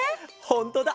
ほんとだ！